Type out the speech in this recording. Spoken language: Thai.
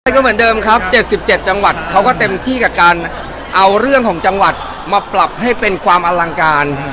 ก็เหมือนเดิมครับ๗๗จังหวัดเขาก็เต็มที่กับการเอาเรื่องของจังหวัดมาปรับให้เป็นความอลังการ